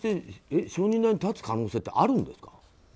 証人台に立つ可能性ってあるんですか？